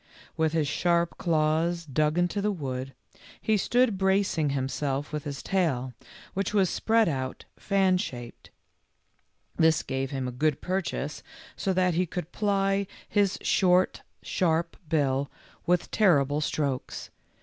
With his sharp claws dug into the wood, he stood bracing himself with his tail, which was spread out fan shaped. This gave him a good purchase so that he could ply his short, sharp THE GALLOPING HESSIAN 27 bill with terrible strokes.